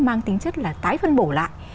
mang tính chất là tái phân bổ lại